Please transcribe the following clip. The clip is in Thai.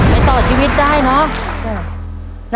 ไปต่อชีวิตได้เนอะ